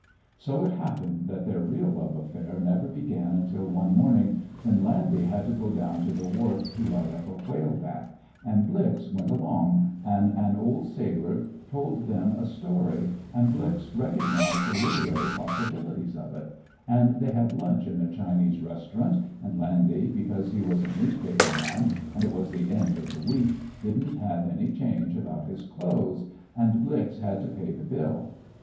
So it happened that their real love affair never began until one morning when "Landy" had to go down to the wharf to write up a whaleback, and "Blix" went along, and an old sailor told them a story and "Blix" recognized the literary possibilities of it, and they had lunch in a Chinese restaurant, and "Landy" because he was a newspaper man and it was the end of the week, didn't have any change about his clothes, and "Blix" had to pay the bill.